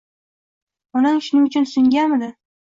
Onang shuning uchun suyunganmidi —